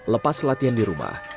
lepas latihan di rumah